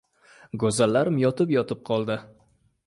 G‘o‘zalarim yotib-yotib qoldi.